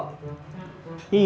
kaga ada rendang